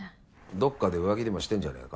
どっかで浮気でもしてんじゃねぇか。